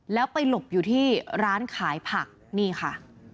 แล้วไปหลบอยู่ที่ร้านขายผักนี่ค่ะ